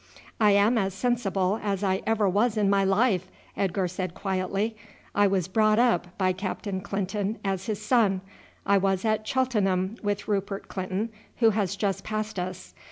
"I am as sensible as I ever was in my life," Edgar said quietly. "I was brought up by Captain Clinton as his son. I was at Cheltenham with Rupert Clinton, who has just passed us.